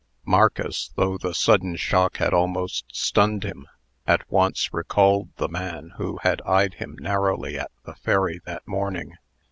Marcus, though the sudden shock had almost stunned him, at once recalled the man who had eyed him narrowly at the ferry that morning.